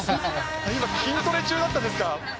今、筋トレ中だったんですか。